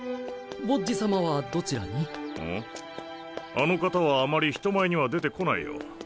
あの方はあまり人前には出てこないよ。